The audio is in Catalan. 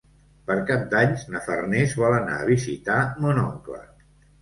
Per Cap d'Any na Farners vol anar a visitar mon oncle.